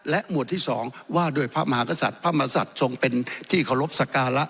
และหมวดที่สองว่าโดยพระมหาสัตว์พระมหาสัตว์ทรงเป็นที่ขอรบสการะ